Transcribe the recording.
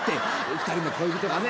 二人の恋人がね